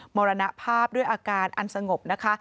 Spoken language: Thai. มรณภาพด้วยอาการอันสงบนะคะ